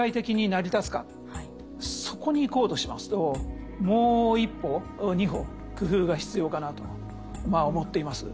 そこにいこうとしますともう一歩二歩工夫が必要かなと思っています。